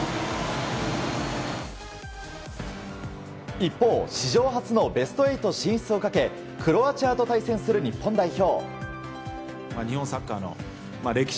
一方史上初のベスト８進出をかけクロアチアと対戦する日本代表。